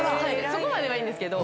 そこまではいいんですけど。